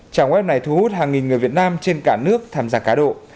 trang web này thu hút hàng nghìn người việt nam trên cả nước tham gia cá độ